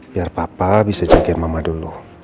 biar papa bisa jagain mama dulu